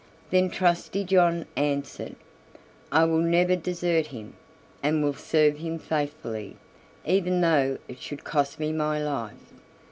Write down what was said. Then Trusty John answered: "I will never desert him, and will serve him faithfully, even though it should cost me my life."